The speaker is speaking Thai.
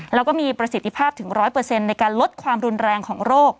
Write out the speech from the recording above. แล้วก็มีประสิทธิภาพถึง๑๐๐ในการลดความรุนแรงของโรค